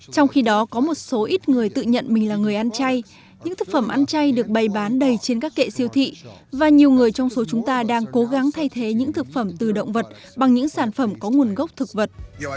trong khi đó có một số ít người tự nhận mình là người ăn chay những thức phẩm ăn chay được bày bán đầy trên các kệ siêu thị và nhiều người trong số chúng ta đang cố gắng thay thế những thực phẩm từ động vật bằng những sản phẩm có nguồn gốc thực vật